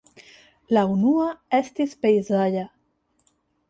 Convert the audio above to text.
La unua estis pejzaĝa.